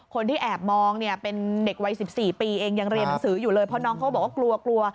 คนที่แอบมองเนี่ยเป็นเด็กวัย๑๔ปีเองยังเรียนหนังสืออยู่เลยเพราะน้องเขาบอกว่ากลัวกลัว